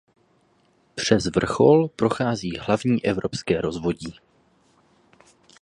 Přes vrchol prochází Hlavní evropské rozvodí.